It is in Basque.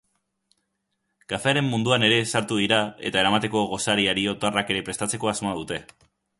Kafearen munduan ere sartu dira eta eramateko gosari otarrak ere prestatzeko asmoa dute.